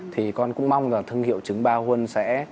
thì con cũng mong là thương hiệu trứng ba won sẽ